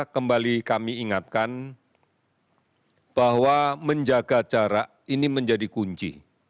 kembali kami ingatkan bahwa menjaga jarak ini menjadi kunci